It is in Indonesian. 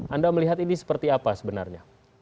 anda melihat ini seperti apa sebenarnya